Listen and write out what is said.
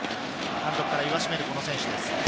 監督から言わしめる選手です。